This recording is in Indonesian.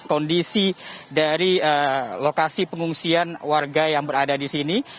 kondisi dari lokasi pengungsian warga yang berada di sini